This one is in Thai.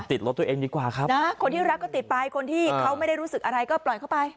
ติดรถตัวเองดีกว่าครับนะคนที่รักก็ติดไปคนที่เขาไม่ได้รู้สึกอะไรก็ปล่อยเข้าไป